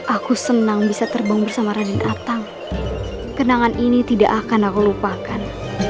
aku senang bisa terbang bersama radinatang kenangan ini tidak akan aku lupakan